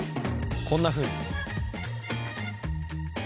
こんなふうに。